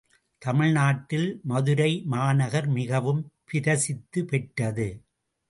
தமிழ்நாட்டில் மதுரை மாநகர் மிகவும் பிரசித்திபெற்றது.